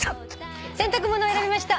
「洗濯物」を選びました